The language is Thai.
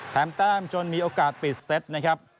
แต้มจนมีโอกาสปิดเซตนะครับ